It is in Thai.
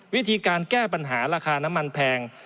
วิธีการแก้ปัญหาราคาน้ำมันแพง